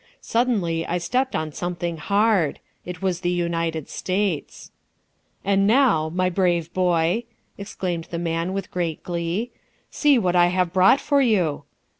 Suddenly I stepped on something hard. It was the United States. "And now, my brave boy," exclaimed the man with great glee, "see what I have brought for you."